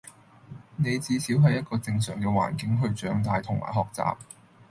你至少係一個正常嘅環境去長大同埋學習